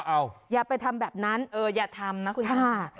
เอาอย่าไปทำแบบนั้นเอออย่าทำนะคุณช่า